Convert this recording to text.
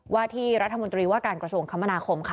ว่าที่รัฐมนตรีว่าการกระทรวงคมนาคมค่ะ